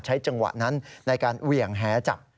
จังหวะนั้นในการเหวี่ยงแหจับ